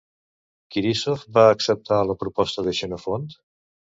Quirísof va acceptar la proposta de Xenofont?